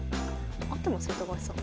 合ってますよ高橋さん。